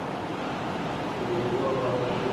د میوو او باغدارۍ په اړه: